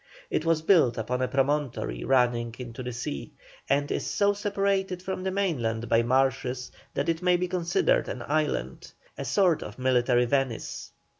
It was built upon a promontory running into the sea, and is so separated from the mainland by marshes that it may be considered an island a sort of military Venice.